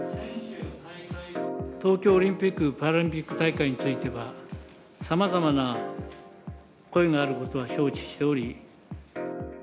東京オリンピック・パラリンピック大会については、さまざまな声があることは承知しており。